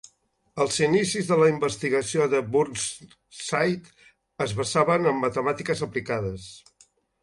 Els inicis de la investigació de Burnside es basaven en matemàtiques aplicades.